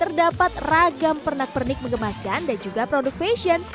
terdapat ragam pernak pernik mengemaskan dan juga produk fashion